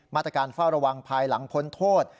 มาตรการเฝ้าระวังภายหลังพ้นโทษ